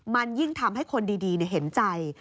มันยิ่งทำให้คนดีเห็นใจ